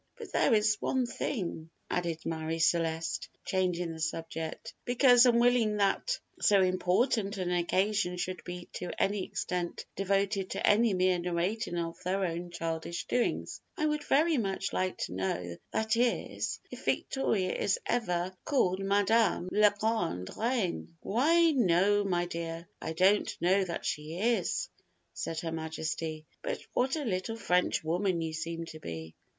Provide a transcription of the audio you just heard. But there is one thing," added Marie Celeste, changing the subject, because unwilling that so important an occasion should be to any extent devoted to any mere narrating of their own childish doings, "I would very much like to know, and that is, if Victoria is ever called Madame La Grande Reine?" "Why no, my dear, I don't know that she is," said Her Majesty; "but what a little French woman you seem to be."